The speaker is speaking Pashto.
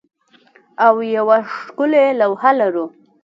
او یوه ښکلې لوحه لرو